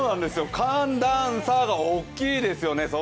寒暖差が大きいんです。